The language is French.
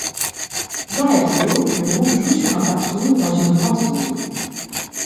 Dans la vidéo le groupe joue sur un parking dans une grande ville.